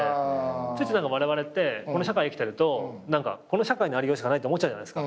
ついついわれわれってこの社会生きてるとこの社会のありようしかないって思っちゃうじゃないですか。